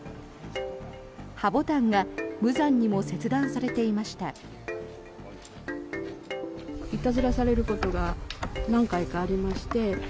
ハボタンが無残にも切断されていました。